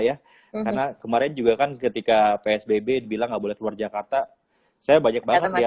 karena kemarin juga kan ketika psbb dibilang nggak boleh keluar jakarta saya banyak banget ya